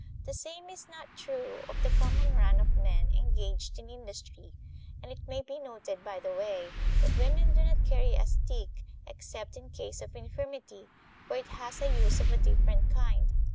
The same is not true of the common run of men engaged in industry and it may be noted by the way that women do not carry a stick except in case of infirmity, where it has a use of a different kind.